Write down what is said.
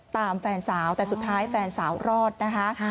แฟนสาวแต่สุดท้ายแฟนสาวรอดนะคะ